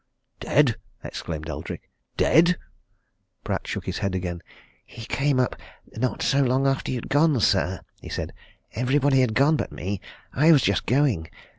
"Dead?" exclaimed Eldrick. "Dead!" Pratt shook his head again. "He came up not so long after you'd gone, sir," he said. "Everybody had gone but me I was just going.